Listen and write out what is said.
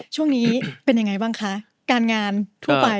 ช่วงนี้เป็นยังไงบ้างคะการงานทั่วไป